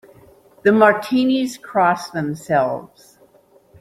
The Martinis cross themselves.